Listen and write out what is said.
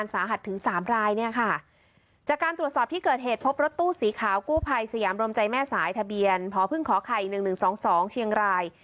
สีขาวกู้ไพรสยามรมใจแม่สายทะเบียนพอพึ่งขอไข่๑๑๒เชียงราย